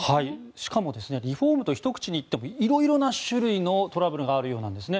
しかもリフォームとひと口に言っても色々な種類のトラブルがあるようなんですね。